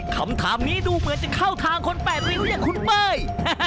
คำถามนี้ดูเหมือนจะเข้าทางคน๘ริ้วเนี่ยคุณเป้ย